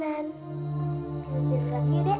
jangan bergerak lagi dek